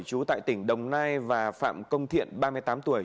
chú tại tỉnh đồng nai và phạm công thiện ba mươi tám tuổi